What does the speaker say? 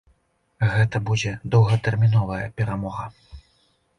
Гэта будзе доўгатэрміновая перамога.